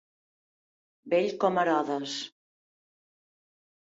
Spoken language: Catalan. Vell com Herodes.